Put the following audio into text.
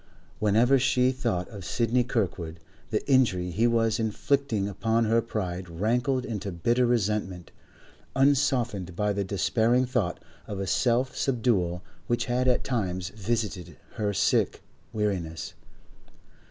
Whenever she thought of Sidney Kirkwood, the injury he was inflicting upon her pride rankled into bitter resentment, unsoftened by the despairing thought of self subdual which had at times visited her sick weariness.